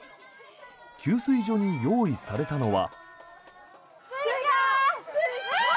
給水所に用意されたのは。